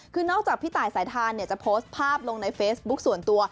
คือนอกจากพี่ตายสายทานจะโพสต์ภาพลงในเฟซบุ๊คส่วนตัว